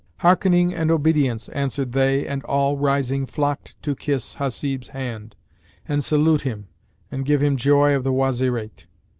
"Hearkening and obedience," answered they and all rising flocked to kiss Hasib's hand and salute him and give him joy of the Wazirate.